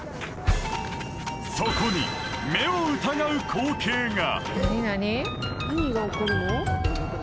そこに目を疑う光景が！